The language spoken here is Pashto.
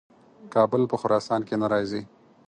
کابل په خراسان کې نه راځي.